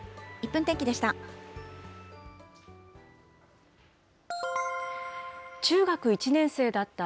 １分天気でした。